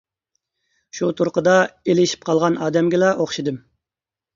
شۇ تۇرقىدا ئېلىشىپ قالغان ئادەمگىلا ئوخشىدىم.